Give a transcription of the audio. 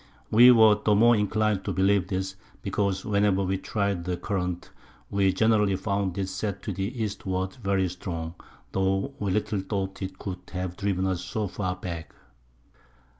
We were the more inclinable to believe this, because whenever we try'd the Current, we generally found it set to the Eastward very strong, tho' we little thought it could have driven us so far back.